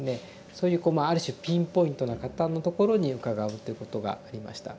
そういうある種ピンポイントな方のところに伺うっていうことがありました。